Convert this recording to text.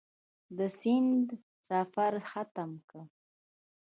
د سیند سفر ختم کړ.